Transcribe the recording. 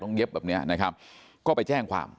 เย็บแบบนี้นะครับก็ไปแจ้งความ